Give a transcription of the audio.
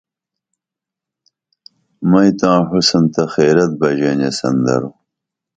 مئیں تا حُسن تہ خیرت بژین ییسن درو